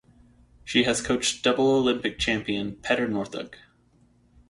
She has coached double Olympic champion Petter Northug.